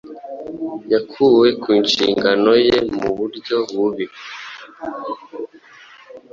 Yakuwe ku nshingano ye mu buryo bubi